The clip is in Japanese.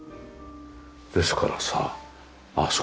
ですからさあ